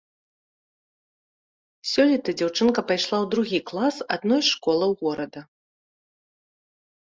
Сёлета дзяўчынка пайшла ў другі клас адной з школаў горада.